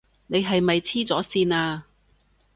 你係咪痴咗線呀？